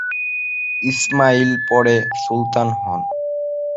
ইসমাইল পরে সুলতান হন।